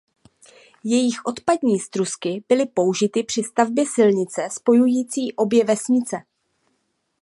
Jejich odpadní strusky byly použity při stavbě silnice spojující obě vesnice.